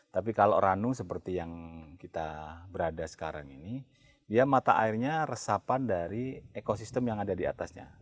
tapi kalau ranu seperti yang kita berada sekarang ini dia mata airnya resapan dari ekosistem yang ada di atasnya